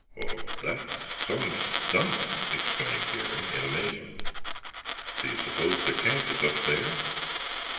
"Well—that's—some stunt!" exclaimed Garry, in amazement. "Do you suppose their camp is up there?"